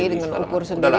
bisa ngukur sendiri